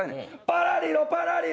「パラリロパラリロ！」